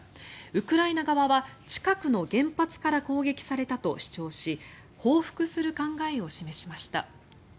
ウクライナ側は近くの原発から攻撃されたと主張し報復する考えを示しました。